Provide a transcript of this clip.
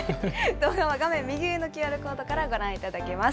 動画は画面右上のＱＲコードからご覧いただけます。